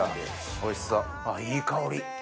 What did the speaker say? おいしそうあっいい香り。